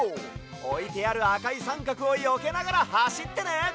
おいてあるあかいさんかくをよけながらはしってね！